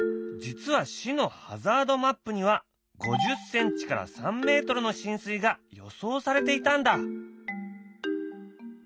実は市のハザードマップには５０センチから３メートルの浸水が予想されていたんだ。